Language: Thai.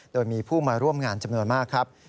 โดยมีผู้มาร่วมงานจำนวนมากครับ